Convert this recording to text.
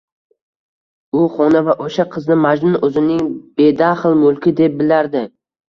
U xona va oʻsha qizni Majnun oʻzining bedaxl mulki deb bilardi.